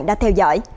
đã theo dõi